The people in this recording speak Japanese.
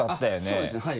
そうですねはい。